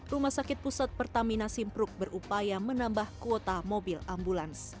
rumah sakit pusat pertamina simpruk berupaya menambah kuota mobil ambulans